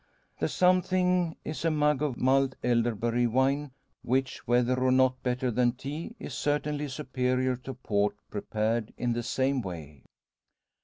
The something is a mug of mulled elderberry wine, which, whether or not better than tea, is certainty superior to port prepared in the same way.